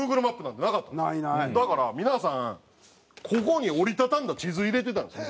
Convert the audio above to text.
だから皆さんここに折り畳んだ地図入れてたんです